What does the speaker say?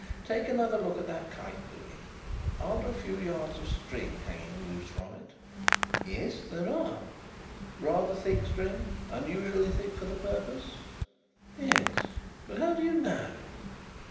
Take another look at that kite, Louis. Are there a few yards of string hanging loose from it?" "Yes, there are." "Rather thick string unusually thick for the purpose?" "Yes, but how do you know?"